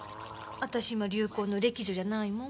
私今流行の歴女じゃないもん。